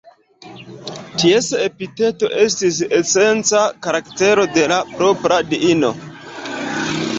Ties epiteto estis esenca karaktero de la propra diino.